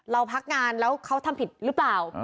พักงานแล้วเขาทำผิดหรือเปล่า